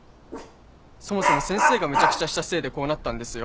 そもそも先生がむちゃくちゃしたせいでこうなったんですよ？